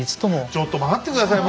ちょっと待って下さい。